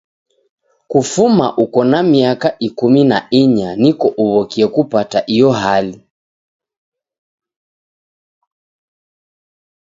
Kufuma uko na miaka ikumi na inya niko uw'okie kupata iyo hali.